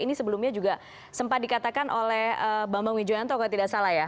ini sebelumnya juga sempat dikatakan oleh bambang wijoyanto kalau tidak salah ya